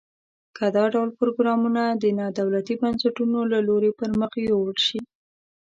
که دا ډول پروګرامونه د نا دولتي بنسټونو له لوري پرمخ یوړل شي.